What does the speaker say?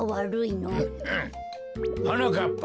はなかっぱ。